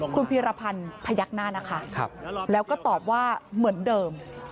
คุณพีรพันธ์พยักหน้านะคะแล้วก็ตอบว่าเหมือนเดิม